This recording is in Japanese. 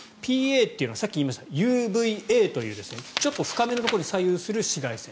ＰＡというのはさっき言いましたＵＡＶというちょっと深めのところに作用する紫外線。